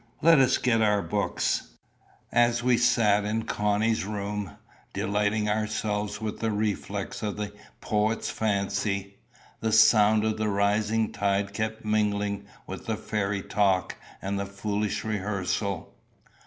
Let us get our books." As we sat in Connie's room, delighting ourselves with the reflex of the poet's fancy, the sound of the rising tide kept mingling with the fairy talk and the foolish rehearsal.